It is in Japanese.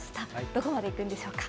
どこまでいくんでしょうか。